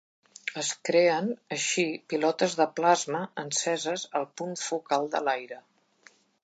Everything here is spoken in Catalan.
Es creen així pilotes de plasma enceses al punt focal de l'aire.